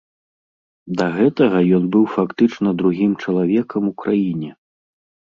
Да гэтага ён быў фактычна другім чалавекам у краіне.